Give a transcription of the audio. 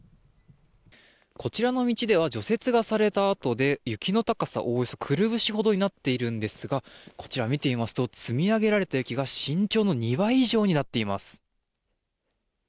こちらの道では除雪がされたあとで雪の高さおよそ、くるぶしほどになっているんですがこちら、見てみますと積み上げられた雪が身長の２倍以上になっています。